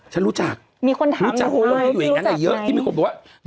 ฉันรู้จักรู้จักมันอยู่อย่างนั้นแหละเยอะที่มีคนถามว่าพี่รู้จักไหม